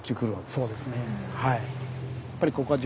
そうですねはい。